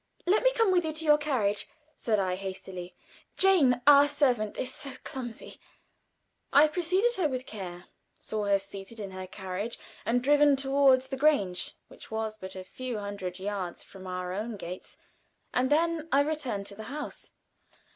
"Let me come with you to your carriage," said I, hastily. "Jane our servant is so clumsy." I preceded her with care, saw her seated in her carriage and driven toward the Grange, which was but a few hundred yards from our own gates, and then I returned to the house.